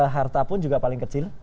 harta pun juga paling kecil